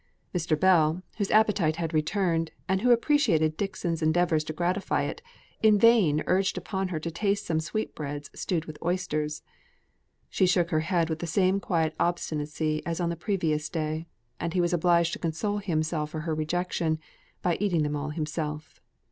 Mr. Bell, whose appetite had returned, and who appreciated Dixon's endeavours to gratify it, in vain urged upon her to taste some sweetbreads stewed with oysters; she shook her head with the same quiet obstinacy as on the previous day; and he was obliged to console himself for her rejection, by eating them all himself.